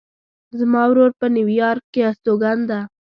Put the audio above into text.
زما ورور په نیویارک کې استوګن ده